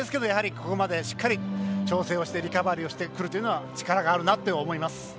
ここまでしっかり調整をしてリカバリーをしてくるというのは力があるなとは思います。